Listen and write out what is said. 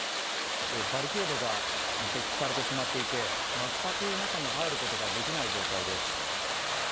バリケードが設置されてしまっていて全く中に入ることができない状態です。